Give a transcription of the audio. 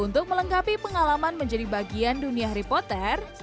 untuk melengkapi pengalaman menjadi bagian dunia harry potter